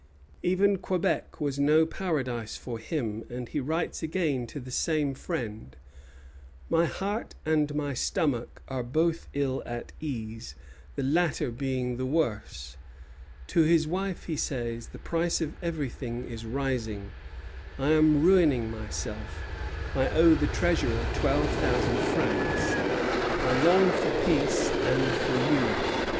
Even Quebec was no paradise for him; and he writes again to the same friend: "My heart and my stomach are both ill at ease, the latter being the worse." To his wife he says: "The price of everything is rising. I am ruining myself; I owe the treasurer twelve thousand francs. I long for peace and for you.